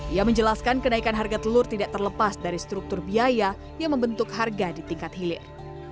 ia menjelaskan kenaikan harga telur tidak terlepas dari struktur biaya yang membentuk harga di tingkat hilir